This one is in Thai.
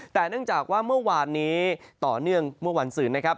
แต่เนื่องจากว่าเมื่อวานนี้ต่อเนื่องเมื่อวันศืนนะครับ